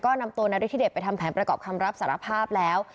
ก็นำตัวนาริธิเดชไปทำแผนประกอบคำรับสารภาพแล้ว